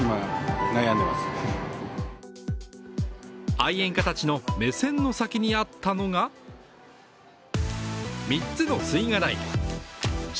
愛煙家たちの目線の先にあったのが３つの吸い殻入れ。